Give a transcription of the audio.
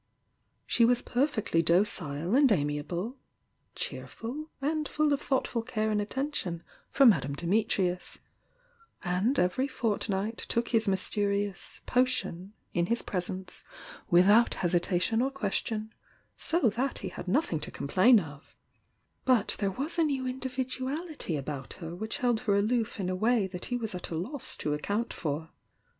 She was perfectly docile and amiable, — cheer ful and full of thoughtful care and attention for Madame Dunitrius,— and every fortnight took his mysterious "potion" in his presence without hesi tation or question, so that he had notiiing to com plain of— but there was a new individuality about her which held her aloof in a way that he was at a loss to account for.